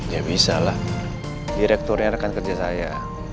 ya bisa lah direkturnya rekan kerja saya